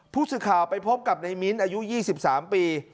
ผู้สื่อข่าวไปพบกับในมิ้นอายุ๒๓ปี